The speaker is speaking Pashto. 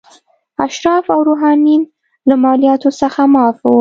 اشراف او روحانیون له مالیاتو څخه معاف وو.